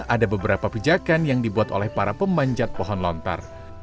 ada beberapa pijakan yang dibuat oleh para pemanjat pohon lontar